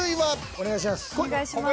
お願いします。